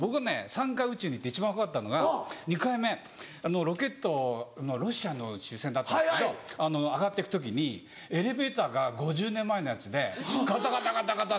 ３回宇宙に行って一番怖かったのが２回目ロケットのロシアの宇宙船だったんですけど上がってく時にエレベーターが５０年前のやつでガタガタガタガタ！